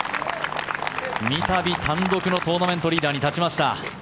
三度、単独のトーナメントリーダーに立ちました。